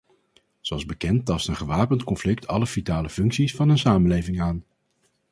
Zoals bekend tast een gewapend conflict alle vitale functies van een samenleving aan.